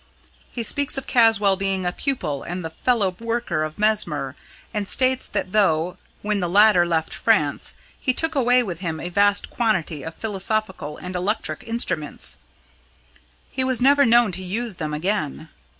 He speaks of Caswall being a pupil and the fellow worker of Mesmer, and states that though, when the latter left France, he took away with him a vast quantity of philosophical and electric instruments, he was never known to use them again.